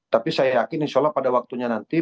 tapi saya yakin insya allah pada waktunya nanti